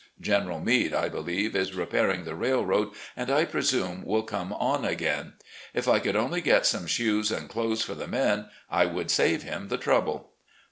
General Meade, I believe, is repairing the railroad, and I prestune will come on again. If I could only get some shoes and clothes for the men, I would save him the trouble.